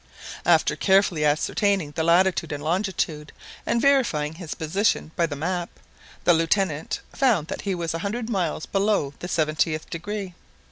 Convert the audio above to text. After carefully ascertaining the latitude and longitude, and verifying his position by the map, the Lieutenant found that he was a hundred miles below the seventieth degree.